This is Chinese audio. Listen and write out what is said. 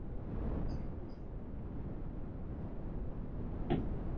全欧洲与丹麦团结一致坚持言论自由和表达自由的权利。